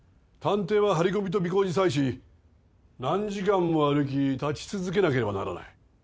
探偵は張り込みと尾行に際し何時間も歩き立ち続けなければならない。